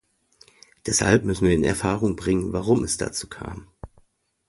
Deshalb müssen wir in Erfahrung bringen, warum es dazu kam.